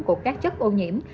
của các chất ô nhiễm